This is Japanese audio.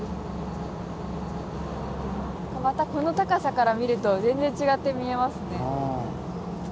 またこの高さから見ると全然違って見えますね。